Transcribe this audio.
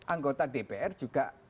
anggota dpr juga